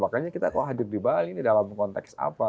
makanya kita kok hadir di bali ini dalam konteks apa